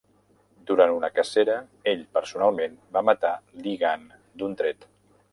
Durant una cacera, ell personalment va matar Li Gan d'un tret.